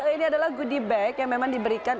ini adalah goodie bag yang memang diberikan